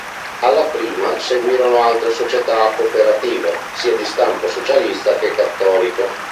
Alla prima seguirono altre società cooperative, sia di stampo socialista che cattolico.